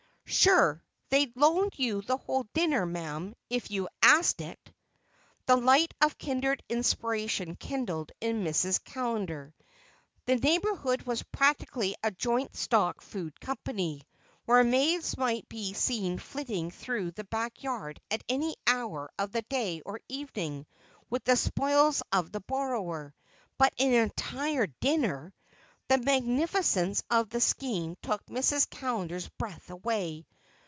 "Sure, they'd loan you the whole dinner, ma'am, if you asked it." The light of kindred inspiration kindled in Mrs. Callender. The neighborhood was practically a joint stock food company, where maids might be seen flitting through the back yard at any hour of the day or evening, with the spoils of the borrower. But an entire dinner! The magnificence of the scheme took Mrs. Callender's breath away.